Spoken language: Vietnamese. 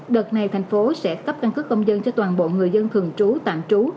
đợt này thành phố sẽ cấp căn cước công dân cho toàn bộ người dân thường trú tạm trú